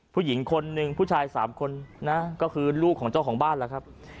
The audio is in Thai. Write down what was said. ผู้หญิงคนหนึ่งผู้ชาย๓คนนะก็คือลูกของเจ้าของบ้านแล้วครับ